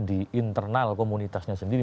di internal komunitasnya sendiri